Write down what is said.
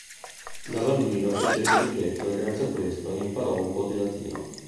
Da bambino fece il chierichetto e grazie a questo imparò un po' di latino.